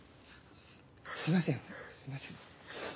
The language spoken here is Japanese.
すいませんすいません。